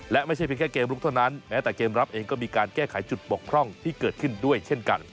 และไม่ใช่เป็นแค่เกมลุกเท่านั้นแม้แต่เกมรับเองก็มีการแก้ไขจุดบกพร่องที่เกิดขึ้นด้วยเช่นกัน